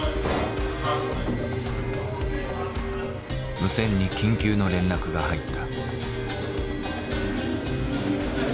無線に緊急の連絡が入った。